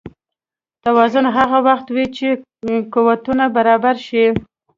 توازن هغه وخت وي چې قوتونه برابر شي.